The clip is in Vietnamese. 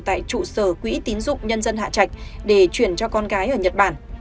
tại trụ sở quỹ tín dụng nhân dân hạ trạch để chuyển cho con gái ở nhật bản